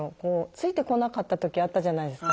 ついてこなかった時あったじゃないですか。